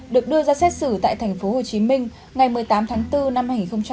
được đưa ra xét xử tại tp hcm ngày một mươi tám tháng bốn năm hai nghìn hai mươi